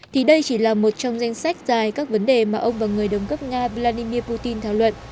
thì đây chỉ là một trong danh sách dài các vấn đề mà ông và người đồng cấp nga vladimir putin thảo luận